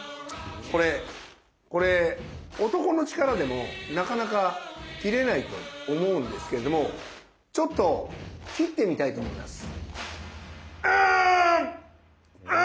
これ男の力でもなかなか切れないと思うんですけれどもちょっと切ってみたいと思います。